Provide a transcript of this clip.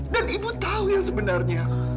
dan ibu tahu yang sebenarnya